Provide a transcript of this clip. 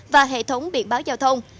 và hệ thống biện báo giao thông